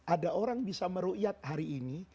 ada orang bisa meruqyah hari ini